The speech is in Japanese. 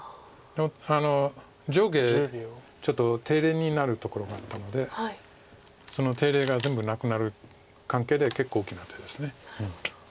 上下ちょっと手入れになるところがあったのでその手入れが全部なくなる関係で結構大きな手です。